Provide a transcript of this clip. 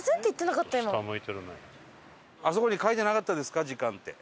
「あそこに書いてなかったですか？時間」って。